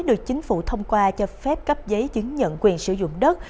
được chính phủ thông qua cho phép cấp giấy chứng nhận quyền sử dụng đất